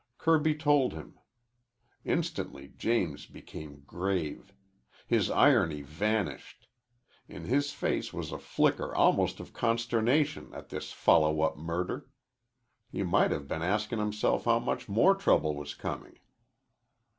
Kirby told him. Instantly James became grave. His irony vanished. In his face was a flicker almost of consternation at this follow up murder. He might have been asking himself how much more trouble was coming.